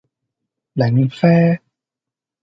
檸啡